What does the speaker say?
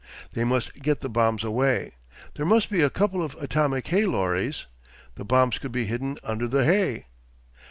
They must get the bombs away; there must be a couple of atomic hay lorries, the bombs could be hidden under the hay....